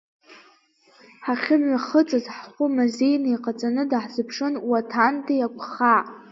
Ҳахьымҩахыҵыз, ҳхәы мазеины иҟаҵаны даҳзыԥшын Уаҭандеи Агәхаа.